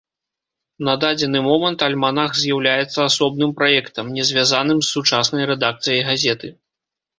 На дадзены момант альманах з'яўляецца асобным праектам, не звязаным з сучаснай рэдакцыяй газеты.